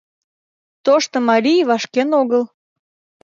Тошто марий вашкен огыл